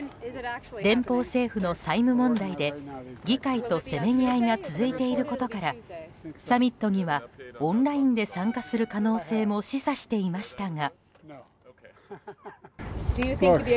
連邦政府の債務問題で議会とせめぎ合いが続いていることからサミットにはオンラインで参加する可能性も示唆していましたが。